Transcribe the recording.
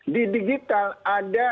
di digital ada